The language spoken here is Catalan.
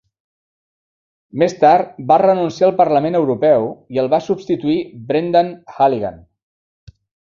Més tard va renunciar al Parlament Europeu i el va substituir Brendan Halligan.